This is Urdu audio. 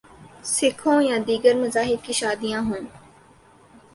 سکھوں یا دیگر مذاہب کی شادیاں ہوں۔